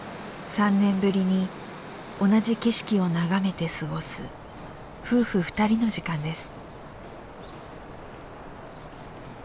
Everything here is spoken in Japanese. ３年ぶりに同じ景色を眺めて過ごす夫婦２人の時間です。